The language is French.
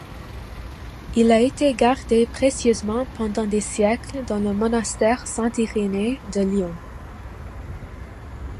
Il a été gardé précieusement pendant des siècles dans le monastère Saint-Irénée de Lyon.